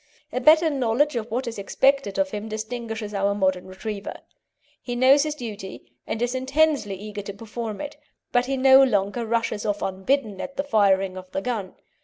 A better knowledge of what is expected of him distinguishes our modern Retriever. He knows his duty, and is intensely eager to perform it, but he no longer rushes off unbidden at the firing of the gun.